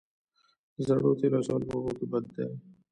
د زړو تیلو اچول په اوبو کې بد دي؟